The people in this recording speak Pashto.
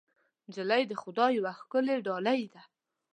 نجلۍ د خدای یوه ښکلی ډالۍ ده.